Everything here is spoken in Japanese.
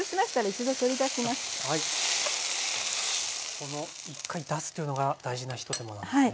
この１回出すというのが大事なひと手間なんですね。